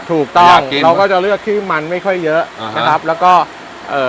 ถูกต้องเราก็จะเลือกที่มันไม่ค่อยเยอะอ่านะครับแล้วก็เอ่อ